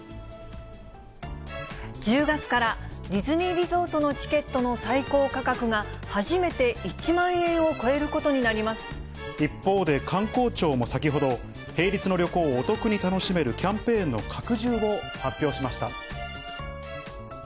１０月から、ディズニーリゾートのチケットの最高価格が初めて１万円を超える一方で観光庁も先ほど、平日の旅行をお得に楽しめるキャンペーンの拡充を発表しました。